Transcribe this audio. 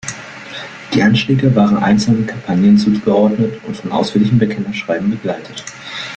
Die Anschläge waren einzelnen Kampagnen zugeordnet und von ausführlichen Bekennerschreiben begleitet.